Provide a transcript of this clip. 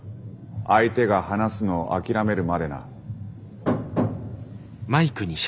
相手が話すのを諦めるまでな。